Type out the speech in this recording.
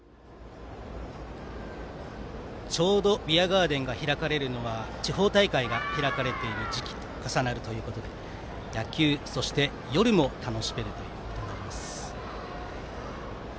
ちょうどビアガーデンが開かれるのは地方大会が開かれている時期と重なるということで野球、そして夜も楽しめるということになります。